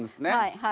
はい。